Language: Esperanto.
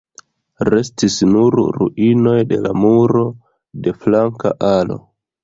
Restis nur ruinoj de la muro de flanka alo.